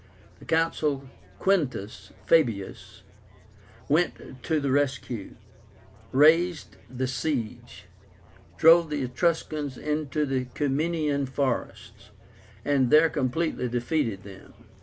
The Consul Quintus Fabius went to the rescue, raised the siege, drove the Etruscans into the Ciminian forests, and there completely defeated them.